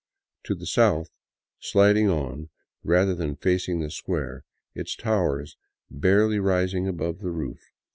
To the south, siding on, rather than facing the square, its towers barely rising above the roof.